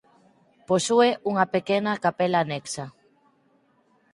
Posúe unha pequena capela anexa.